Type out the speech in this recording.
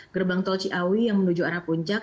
gerbang tol ciawi yang menuju arah puncak